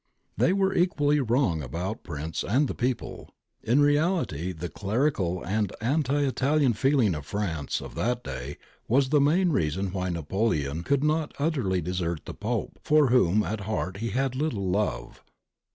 They were equally wrong about prince and people : in reahty the clerical and anti Italian feeling of the France of that day was the main reason why Napoleon could not utterly desert the Pope, for whom at heart he had little love.